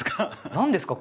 何ですか？